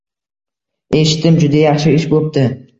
— Eshitdim. Juda yaxshi ish bo‘pti.